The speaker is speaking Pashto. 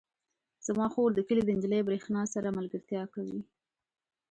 زما خور د کلي د نجلۍ برښنا سره ملګرتیا کوي.